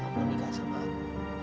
kamu nikah sama aku